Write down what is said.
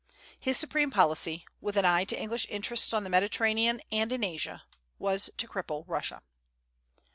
His supreme policy, with an eye to English interests on the Mediterranean and in Asia, was to cripple Russia.